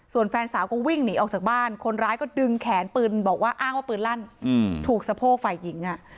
ส่วนแฟนสาวก็วิ่งหนีออกจากบ้านคนร้ายก็ดึงแขนปืนบอกว่าอ้างว่าปืนลั่นถูกสะโพกฝ่ายหญิง